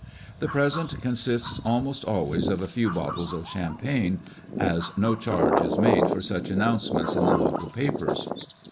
The present consists almost always of a few bottles of champagne, as no charge is made for such announcements in the local papers.